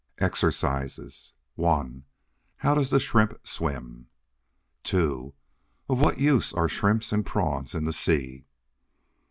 EXERCISES 1. How does the Shrimp swim? 2. Of what use are Shrimps and Prawns in the sea?